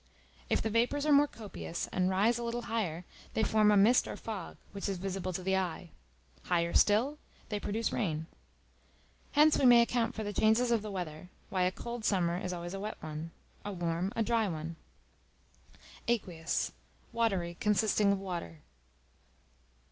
If the vapors are more copious, and rise a little higher, they form a mist or fog, which is visible to the eye; higher still they produce rain. Hence we may account for the changes of the weather: why a cold summer is always a wet one a warm, a dry one. Aqueous, watery; consisting of water.